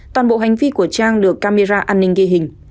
toàn bộ hành vi của trang được camera an ninh ghi hình